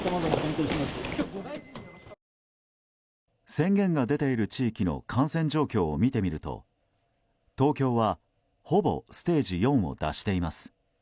宣言が出ている地域の感染状況を見てみると東京は、ほぼステージ４を脱しています。